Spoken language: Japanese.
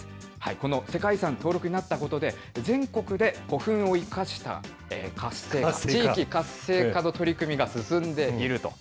この世界遺産登録になったことで、全国で古墳を生かした活性化、地域活性化の取り組みが進んでいると。